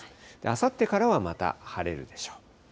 あさってからはまた晴れるでしょう。